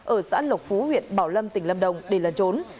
ở xã lộc phú huyện bảo lâm tỉnh lâm đồng để lần trốn